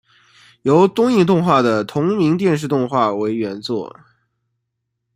由东映动画的同名电视动画为原作。